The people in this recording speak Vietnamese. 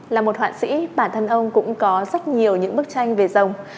là một hoạn sĩ bản thân ông cũng có rất nhiều những bức tranh về rồng